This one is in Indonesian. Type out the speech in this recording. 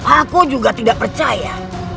aku juga tidak percaya